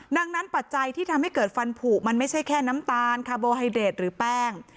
ดังนั้นปัจจัยที่ทำให้เกิดฟันผูกมันไม่ใช่แค่น้ำตาลคาร์โบไฮเดรดหรือแป้ง